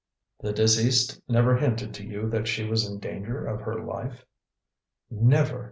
"The deceased never hinted to you that she was in danger of her life?" "Never!